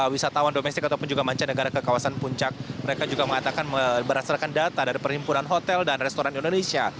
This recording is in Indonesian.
wisatawan domestik ataupun juga mancanegara ke kawasan puncak mereka juga mengatakan berdasarkan data dari perhimpunan hotel dan restoran indonesia